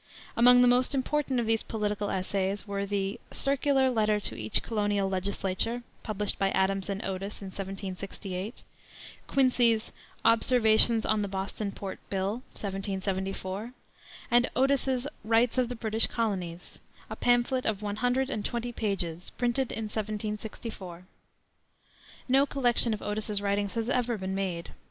Among the most important of these political essays were the Circular Letter to each Colonial Legislature, published by Adams and Otis in 1768; Quincy's Observations on the Boston Port Bill, 1774, and Otis's Rights of the British Colonies, a pamphlet of one hundred and twenty pages, printed in 1764. No collection of Otis's writings has ever been made.